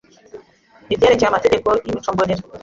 ibyerekeye amategeko y’imico mbonera